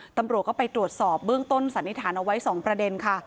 ตำรวจก็ไปตรวจสอบเบื้องต้นสันนิษฐานเอาไว้๒ประเด็นค่ะ